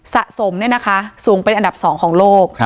สะสมเนี่ยนะคะสูงเป็นอันดับ๒ของโลก